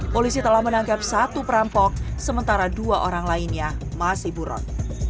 polisi telah menangkap satu perampok sementara dua orang lainnya masih buron